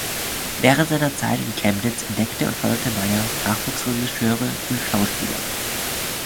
Während seiner Zeit in Chemnitz entdeckte und förderte Meyer Nachwuchs-Regisseure und -Schauspieler.